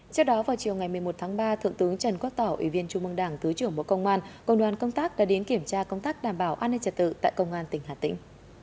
trước đó vào chiều ngày một mươi một tháng ba thượng tướng trần quốc tỏ ủy viên trung mương đảng thứ trưởng bộ công an công đoàn công tác đã đến kiểm tra công tác đảm bảo an ninh trật tự tại công an tỉnh hà tĩnh